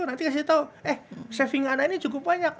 nanti dikasih tahu eh saving anda ini cukup banyak